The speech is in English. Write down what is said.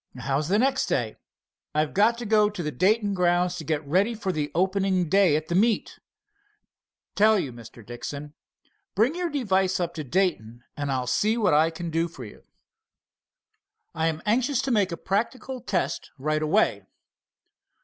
"How's the next day?" "I've got to go to the Dayton grounds to get ready for the opening day at that meet. Tell you, Mr. Dixon, bring your device up to Dayton, and I'll see what I can do for you." "I am anxious to make a practical test right away."